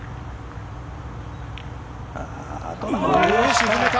沈めた。